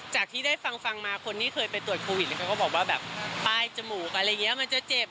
จากที่ได้ฟังฟังมาคนที่เคยไปตรวจโควิดเขาก็บอกว่าแบบป้ายจมูกอะไรอย่างนี้มันจะเจ็บ